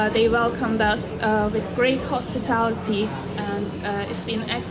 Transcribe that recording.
mereka mengambil kami dengan kemasyarakatan yang bagus